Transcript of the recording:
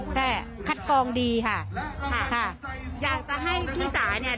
ใช่คัดกองดีค่ะค่ะค่ะอยากจะให้พี่จ๋าเนี่ย